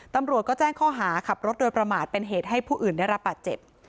ตำรวจก็แจ้งข้อหาขับรถโดยประมาทเป็นเหตุให้ผู้อื่นได้รับบาดเจ็บ